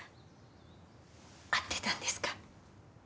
合ってたんですか？